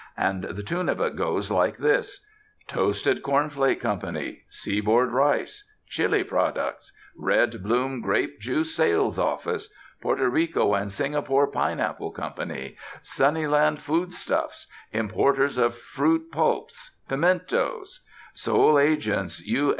And the tune of it goes like this: "Toasted Corn Flake Co.," "Seaboard Rice," "Chili Products," "Red Bloom Grape Juice Sales Office," "Porto Rico and Singapore Pineapple Co.," "Sunnyland Foodstuffs," "Importers of Fruit Pulps, Pimentos," "Sole Agents U.